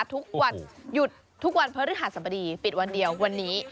ทุกวันหยุดทุกวันพฤหัสบดีปิดวันเดียววันนี้